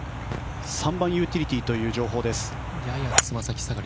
３番、ユーティリティーという情報。